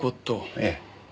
ええ。